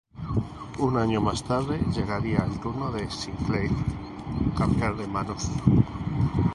Un año más tarde, llegaría el turno de Sinclair cambiar de manos.